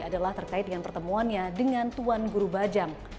adalah terkait dengan pertemuannya dengan tuan guru bajang